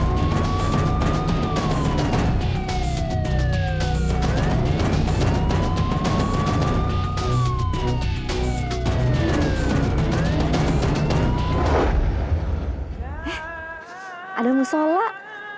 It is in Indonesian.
beritahu anakku ya allah